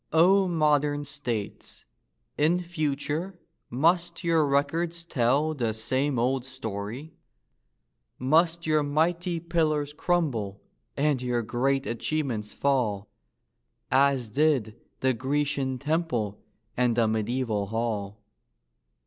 O modern states, in future must your records tell The same old story? Must your mighty pillars crumble, and your great achievements fall, As did the Grecian temple and the mediaeval hall?